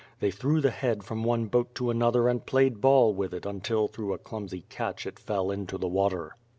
They threw the head from one boat to another and played ball with it until through a clumsy catch it fell into the water.